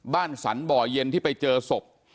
สรรบ่อเย็นที่ไปเจอศพ